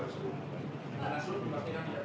ya kami meminta seperti itu